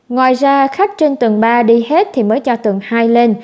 ngoài ra khách trên tường ba đi hết thì mới cho tường hai lên